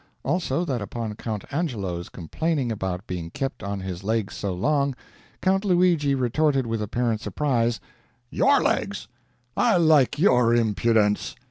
Also, that upon Count Angelo's complaining about being kept on his legs so long, Count Luigi retorted with apparent surprise, "Your legs! I like your impudence!"